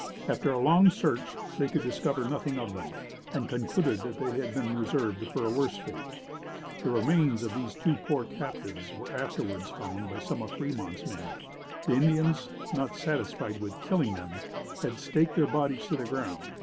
After a long search they could discover nothing of them, and concluded that they had been reserved for a worse fate. The remains of these two poor captives were afterwards found by some of Fremont's men. The Indians, not satisfied with killing them, had staked their bodies to the ground.